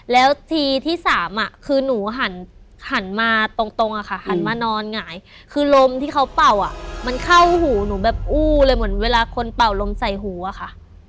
แล้วทีที่สามคือหนูหันมาตรงอะค่ะหันมานอนหงายคือลมที่เขาเป่าอ่ะมันเข้าหูหนูแบบอู้เลยเหมือนเวลาคนเป่าลมใส่หูอะค่ะ